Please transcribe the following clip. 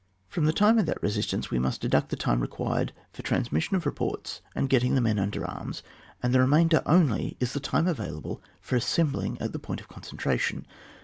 From the time of that resist ance we must deduct the time required for transmission of reports and getting the men under arms, and the remainder only is tho time available for assembling at the point of concentration.